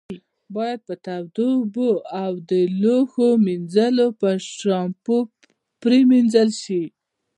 باید په تودو اوبو او د لوښو منځلو په شامپو پرېمنځل شي.